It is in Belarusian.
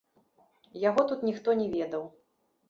Яго тут ніхто не ведаў.